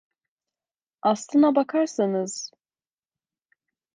Aslına bakarsanız…